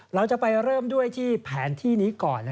เราจะไปเริ่มด้วยที่แผนที่นี้ก่อน